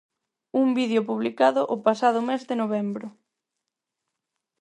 Un vídeo publicado o pasado mes de novembro.